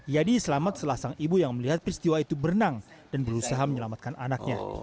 yadi selamat setelah sang ibu yang melihat peristiwa itu berenang dan berusaha menyelamatkan anaknya